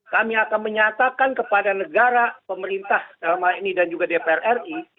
kami akan menyatakan kepada negara pemerintah dalam hal ini dan juga dpr ri